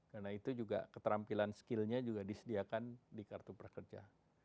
karena itu juga keterampilan skillnya juga disediakan di kartu prakerja